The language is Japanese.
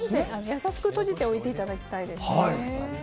優しく閉じておいていただきたいです。